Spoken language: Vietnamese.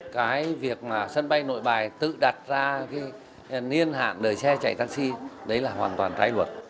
cái việc mà sân bay nội bài tự đặt ra cái niên hạn đợi xe chạy taxi đấy là hoàn toàn trái luật